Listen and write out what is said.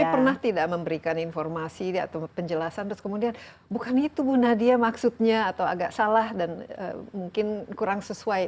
tapi pernah tidak memberikan informasi atau penjelasan terus kemudian bukan itu bu nadia maksudnya atau agak salah dan mungkin kurang sesuai